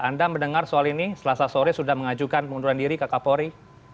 anda mendengar soal ini selasa sore sudah mengajukan pengunduran diri ke kapolri